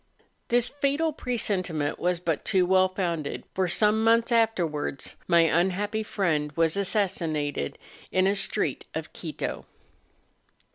This fatal presentiment was but too well founded, for some months afterwards my unhappy friend was assassinated in a street of Quito.